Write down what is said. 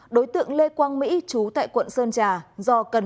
đối tượng lê quang mỹ trú tại quận sơn trà